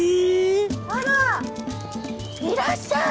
あらいらっしゃい！